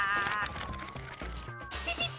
ピピッ！